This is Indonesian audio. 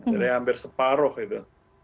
jadi hampir separuh itu